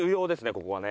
ここはね。